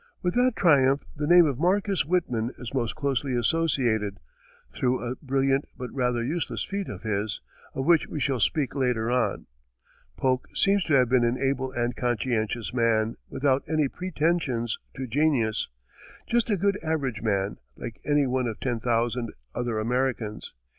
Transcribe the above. With that triumph, the name of Marcus Whitman is most closely associated, through a brilliant but rather useless feat of his, of which we shall speak later on. Polk seems to have been an able and conscientious man, without any pretensions to genius just a good, average man, like any one of ten thousand other Americans.